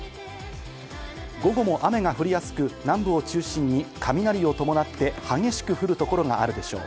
午後も雨が降りやすく南部を中心に雷を伴って激しく降る所があるでしょう。